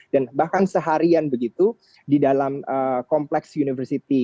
dan bahkan seharian begitu di dalam kompleks universiti